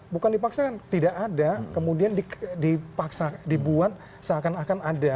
bukan dipaksakan tidak ada kemudian dipaksa dibuat seakan akan ada